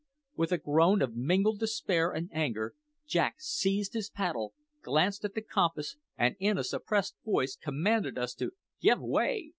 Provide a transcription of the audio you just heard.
With a groan of mingled despair and anger, Jack seized his paddle, glanced at the compass, and in a suppressed voice commanded us to "Give way!"